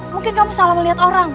mungkin kamu salah melihat orang